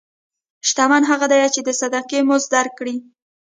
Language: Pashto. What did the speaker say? شتمن هغه دی چې د صدقې مزه درک کړي.